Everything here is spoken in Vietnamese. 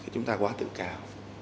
chúng ta quá tự cao